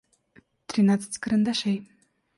тринадцать карандашей